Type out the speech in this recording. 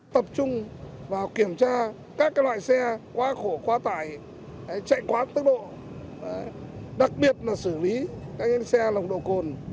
tập trung vào kiểm tra các loại xe quá khổ quá tải chạy quá tốc độ đặc biệt là xử lý các xe nồng độ cồn